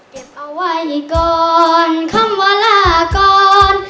เก็บเอาไว้ก่อนคำว่าลาก่อน